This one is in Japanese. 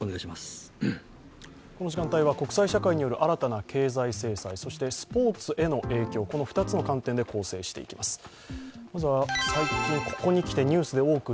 この時間帯は、国際社会による新たな経済制裁、そしてスポーツへの影響、この２つの観点で構成していきます。